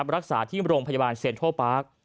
รักษาที่โรงพยาบาลเซ็นทรัลปาร์ค